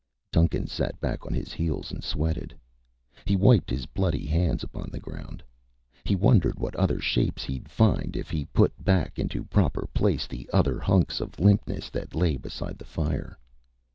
Duncan sat back on his heels and sweated. He wiped his bloody hands upon the ground. He wondered what other shapes he'd find if he put back into proper place the other hunks of limpness that lay beside the fire.